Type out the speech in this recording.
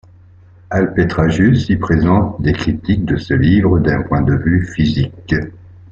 Alpetragius y présente des critiques de ce livre d'un point de vue physique.